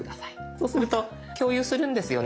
そうすると「共有するんですよね